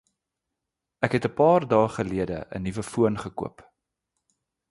Ek het ’n paar dae gelede ’n nuwe foon gekoop